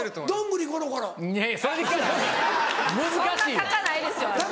難しいわ！